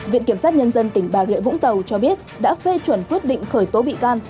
viện kiểm sát nhân dân tỉnh bà rịa vũng tàu cho biết đã phê chuẩn quyết định khởi tố bị can